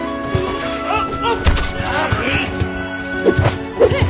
あっ！